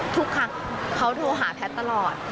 ทุกครั้งเขาโทรหาแพทย์ตลอด